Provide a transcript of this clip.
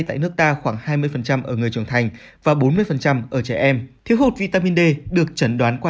tại nước ta khoảng hai mươi ở người trưởng thành và bốn mươi ở trẻ em thiếu hụt vitamin d được chẩn đoán qua